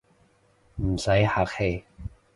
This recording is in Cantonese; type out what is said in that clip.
唔使客氣